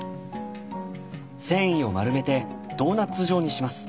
繊維を丸めてドーナッツ状にします。